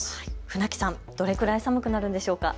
船木さん、どのくらい寒くなるんでしょうか。